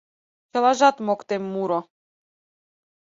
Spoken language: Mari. Чылажат — моктеммуро!